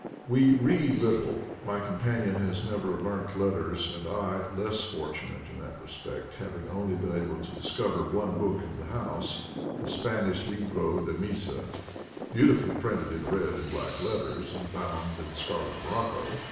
We read little; my companion has never learnt letters, and I, less fortunate in that respect, hav ing only been able to discover one book in the house, a Spanish IAbrd de Misa, beautifully printed in red and black letters, and bound in scarlet morocco.